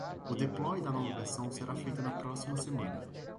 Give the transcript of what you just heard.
O deploy da nova versão será feito na próxima semana.